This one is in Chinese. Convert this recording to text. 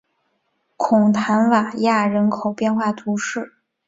孔坦瓦人口变化图示